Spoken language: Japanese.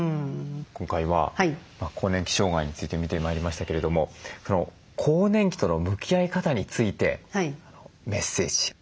今回は更年期障害について見てまいりましたけれども更年期との向き合い方についてメッセージ。